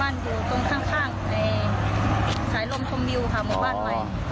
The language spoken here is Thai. บ้านอยู่ตรงข้างในสายลมธมมิวค่ะบ้านใหม่